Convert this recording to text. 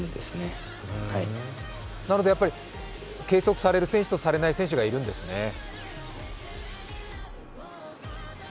計測される選手とされない選手がいるんですね。